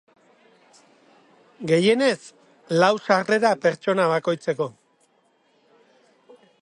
Gehienez, lau sarrera pertsona bakoitzeko.